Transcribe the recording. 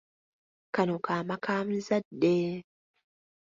Kano kaama ka muzadde.